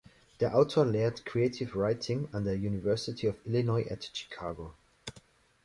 Der Autor lehrt "Creative Writing" an der University of Illinois at Chicago.